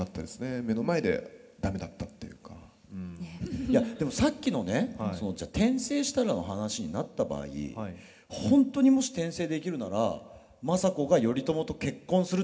いやでもさっきのね転生したらの話になった場合本当にもし転生できるなら政子が頼朝と結婚するっていうのを必死に止めに行きますよ。